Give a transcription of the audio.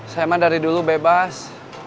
saya mah dari dulu bebas